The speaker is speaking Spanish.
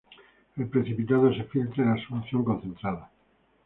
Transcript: El precipitado se filtra y la solución concentrada.